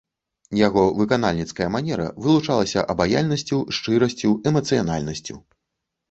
Яго выканальніцкая манера вылучалася абаяльнасцю, шчырасцю, эмацыянальнасцю.